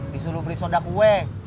disuruh beli soda kue